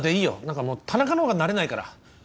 何かもう田中の方が慣れないから。